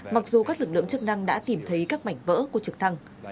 mặc dù các lực lượng chức năng đã tìm thấy các mảnh vỡ của trực thăng